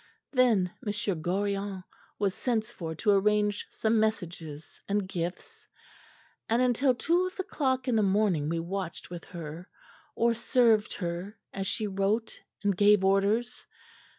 Then M. Gorion was sent for to arrange some messages and gifts; and until two of the clock in the morning we watched with her or served her as she wrote and gave orders.